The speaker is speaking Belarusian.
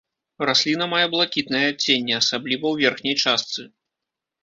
Расліна мае блакітнае адценне, асабліва ў верхняй частцы.